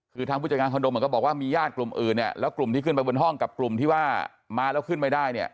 คือทางผู้จัดการคอนโดเหมือนก็บอกว่ามีญาติกลุ่มอื่นเนี่ยแล้วกลุ่มที่ขึ้นไปบนห้องกับกลุ่มที่ว่ามาแล้วขึ้นไม่ได้เนี่ย